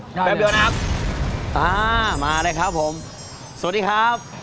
แป๊บเดียวนะครับอ่ามาเลยครับผมสวัสดีครับ